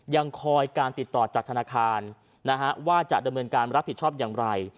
ยังคอยการติดต่อจากธนาคารนะฮะว่าจะดำเนินการรับผิดชอบอย่างไร